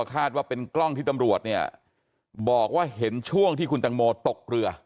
คาดว่าเป็นกล้องที่ตำรวจเนี่ยบอกว่าเห็นช่วงที่คุณตังโมตกเรือ